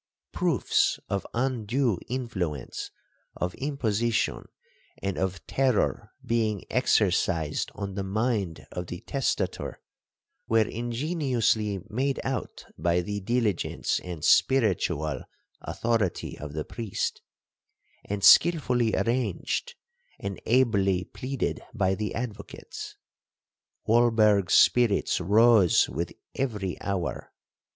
Proofs of undue influence, of imposition, and of terror being exercised on the mind of the testator, were ingeniously made out by the diligence and spiritual authority of the priest, and skilfully arranged and ably pleaded by the advocates. Walberg's spirits rose with every hour.